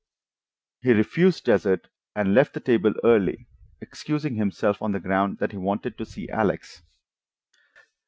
He refused dessert, and left the table early, excusing himself on the ground that he wanted to see Alex.